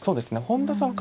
本田さん